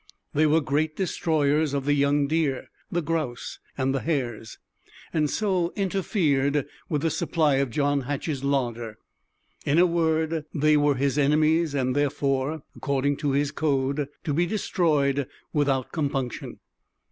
They were great destroyers of the young deer, the grouse, and the hares, and so interfered with the supply of John Hatch's larder. In a word, they were his enemies, and therefore, according to his code, to be destroyed without compunction.